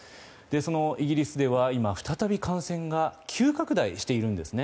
そのイギリスでは今、再び感染が急拡大しているんですね。